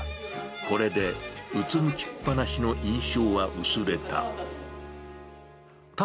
これでうつむきっ放しの印象は薄れた。